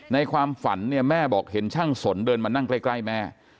ในความฝันเนี่ยแม่บอกเห็นช่างสนเดินมานั่งใกล้แม่